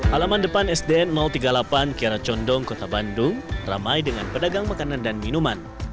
alaman depan sdn tiga puluh delapan kiara condong kota bandung ramai dengan pedagang makanan dan minuman